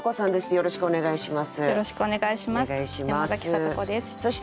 よろしくお願いします。